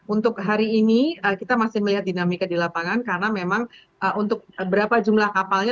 untuk hari ini kita masih melihat dinamika di lapangan karena memang untuk berapa jumlah kapalnya